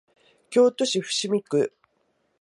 京都市伏見区